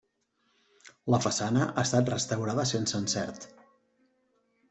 La façana ha estat restaurada sense encert.